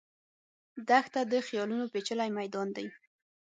دښته د خیالونو پېچلی میدان دی.